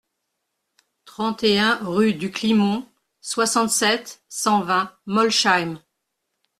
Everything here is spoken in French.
trente et un rue du Climont, soixante-sept, cent vingt, Molsheim